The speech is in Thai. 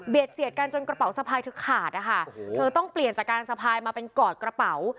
เสียดกันจนกระเป๋าสะพายเธอขาดนะคะเธอต้องเปลี่ยนจากการสะพายมาเป็นกอดกระเป๋า